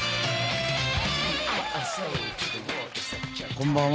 こんばんは。